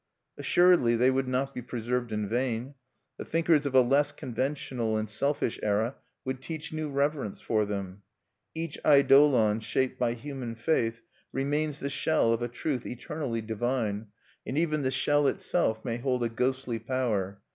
Assuredly they would not be preserved in vain. The thinkers of a less conventional and selfish era would teach new reverence for them. Each eidolon shaped by human faith remains the shell of a truth eternally divine, and even the shell itself may hold a ghostly power.